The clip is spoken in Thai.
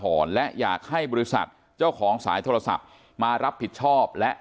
และอยากให้บริษัทเจ้าของสายโทรศัพท์มารับผิดชอบและ